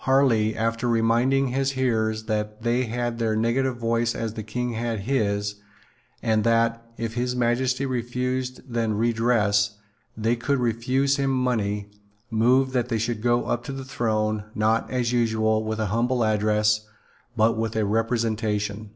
Harley, after reminding his hearers that they had their negative voice as the King had his, and that, if His Majesty refused then redress, they could refuse him money, moved that they should go up to the Throne, not, as usual, with a Humble Address, but with a Representation.